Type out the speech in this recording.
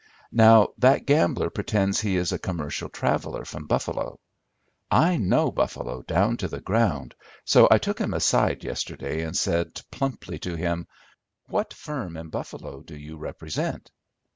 Now that gambler pretends he is a commercial traveller from Buffalo. I know Buffalo down to the ground, so I took him aside yesterday and said plumply to him, 'What firm in Buffalo do you represent?